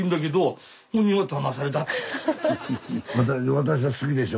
私は好きでしょ。